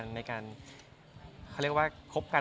ในการพบกัน